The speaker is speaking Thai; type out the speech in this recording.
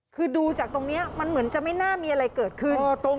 คือดูจากตรงนี้มันเหมือนจะไม่น่ามีอะไรเกิดขึ้น